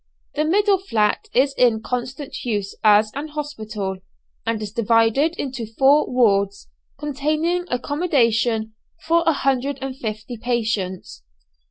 The middle flat is in constant use as an hospital, and is divided into four wards, containing accommodation for 150 patients.